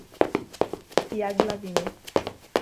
Thiago e Lavínia